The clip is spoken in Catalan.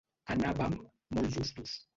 Anàvem molt justos.